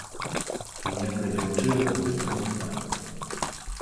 Ніякай дзяўчыны ў метро не памятаў.